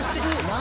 何？